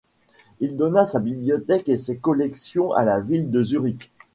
Il donna sa bibliothèque et ses collections à la ville de Zurich.